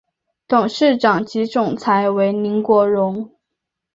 董事长及总裁为林国荣。